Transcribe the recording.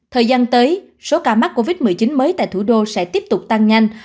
thời gian tới số ca mắc covid một mươi chín mới tại thủ đô sẽ tiếp tục tăng nhanh